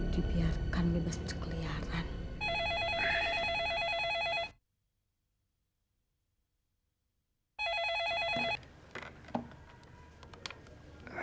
dibiarkan bebas berkeliaran